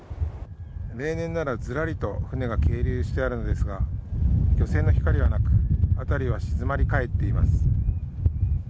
例年ならずらりと船が係留してあるのですが漁船の光はなく辺りは静まり返っています。